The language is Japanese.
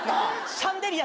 シャンデリア？